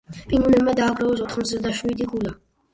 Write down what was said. პინგვინებმა დააგროვეს ოთხმოცდაშვიდი ქულა.